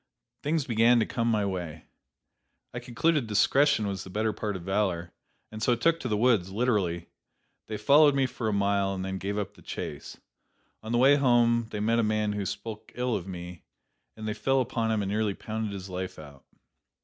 Things began to come my way. I concluded discretion was the better part of valor, and so took to the woods, literally. They followed me for a mile, and then gave up the chase. On the way home they met a man who spoke ill of me, and they fell upon him and nearly pounded his life out.